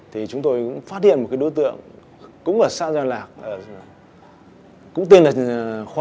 thì chúng tôi cũng phát hiện một đối tượng cũng ở xã giao lạc cũng tên là khoa